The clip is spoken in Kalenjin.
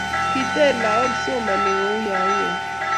Ketei lagok somanani kouyo uen